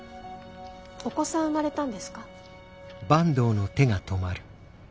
お子さん生まれたんですか？